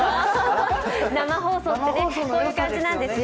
生放送ってね、こういう感じなんですよ。